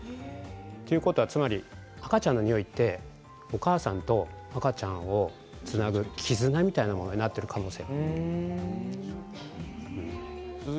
ということはつまり赤ちゃんの匂いはお母さんと赤ちゃんをつなぐ絆みたいなものになっているんですね。